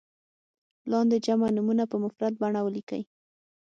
لاندې جمع نومونه په مفرد بڼه ولیکئ.